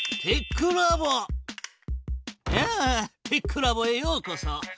テックラボへようこそ。